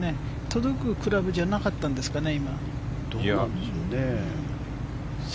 届くクラブじゃなかったんですかね。